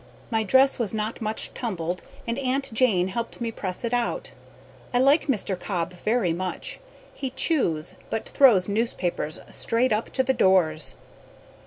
My dress was not much tumbled and Aunt Jane helped me press it out. I like Mr. Cobb very much. He chews but throws newspapers straight up to the doors.